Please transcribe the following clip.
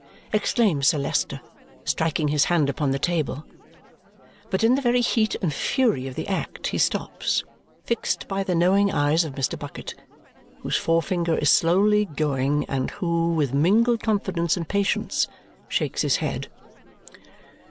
exclaims Sir Leicester, striking his hand upon the table. But in the very heat and fury of the act he stops, fixed by the knowing eyes of Mr. Bucket, whose forefinger is slowly going and who, with mingled confidence and patience, shakes his head.